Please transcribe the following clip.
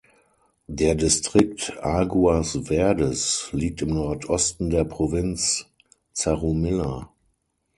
Der Distrikt Aguas Verdes liegt im Nordosten der Provinz Zarumilla.